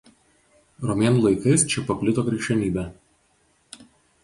Romėnų laikais čia paplito krikščionybė.